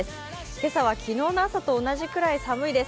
今朝は昨日の朝と同じくらい寒いです。